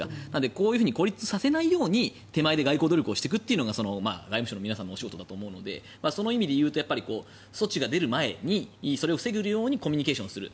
こういうふうに孤立させないように手前で外交努力をしていくのが外務省の皆さんの仕事だと思うのでその意味で言うと措置が出る前にそれを防ぐようにコミュニケーションをする。